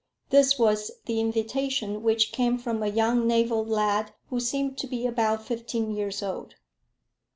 This was the invitation which came from a young naval lad who seemed to be about fifteen years old.